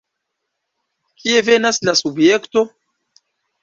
Kie venas la subjekto?